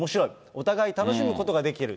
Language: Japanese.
お互い楽しむことができてる。